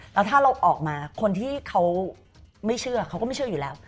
แล้วถ้าเราออกมาคนที่เขาไม่เชื่อเขาก็ไม่เชื่ออยู่แล้ว